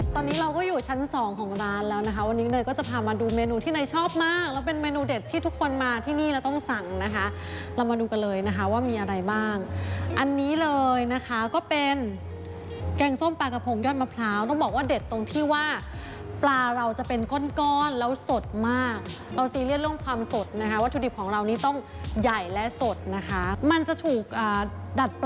ตอนนี้เราก็อยู่ชั้นสองของร้านแล้วนะคะวันนี้เนยก็จะพามาดูเมนูที่เนยชอบมากแล้วเป็นเมนูเด็ดที่ทุกคนมาที่นี่เราต้องสั่งนะคะเรามาดูกันเลยนะคะว่ามีอะไรบ้างอันนี้เลยนะคะก็เป็นแกงส้มปลากระพงยอดมะพร้าวต้องบอกว่าเด็ดตรงที่ว่าปลาเราจะเป็นก้อนแล้วสดมากเราซีเรียสเรื่องความสดนะคะวัตถุดิบของเรานี่ต้องใหญ่และสดนะคะมันจะถูกดัดป